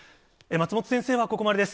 松本先生はここまでです。